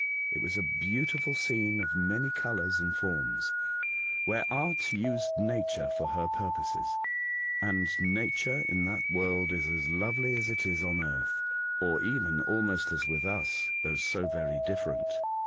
It was a beautiful scene of The Ocean Oapital. 129 many colours and forms, where art used nature for her purposes ; and nature, in that world, is as lovely as it is on earth, or even almost as with us, though so very different.